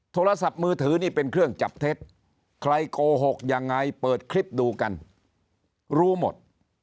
โทรศัพท์มือถือนี่เป็นเครื่องจับเท็จใครโกหกยังไงเปิดคลิปดูกันรู้หมด